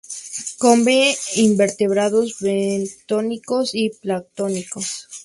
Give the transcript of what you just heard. Come invertebrados bentónicos y planctónicos.